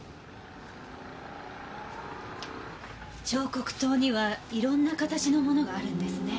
彫刻刀にはいろんな形のものがあるんですね。